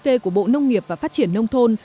nhóm tê của bộ nông nghiệp và phát triển nông thôn